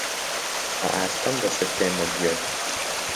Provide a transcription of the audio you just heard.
بە ئاستەم دەسرتێنمە گوێت: